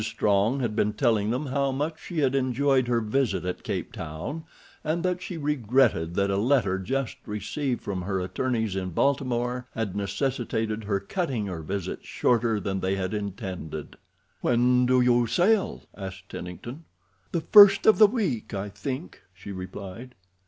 Strong had been telling them how much she had enjoyed her visit at Cape Town, and that she regretted that a letter just received from her attorneys in Baltimore had necessitated her cutting her visit shorter than they had intended. "When do you sail?" asked Tennington. "The first of the week, I think," she replied.